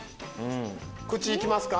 口行きますか？